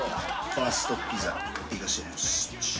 ファーストピザいかしていただきます。